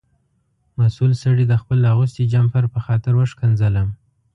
مسؤل سړي د خپل اغوستي جمپر په خاطر وښکنځلم.